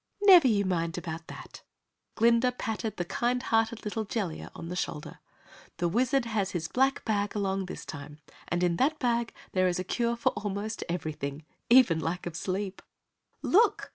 "Never you mind about that!" Glinda patted the kind hearted little Jellia on the shoulder. "The Wizard has his black bag along this time, and in that bag there is a cure for almost everything even lack of sleep!" "Look!"